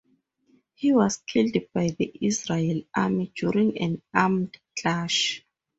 He was killed by the Israeli army during an armed clash.